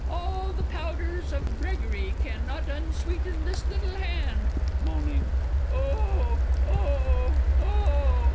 All the powders of Gregory cannot unsweeten this little hand ... (Moaning.) Oh, oh, oh!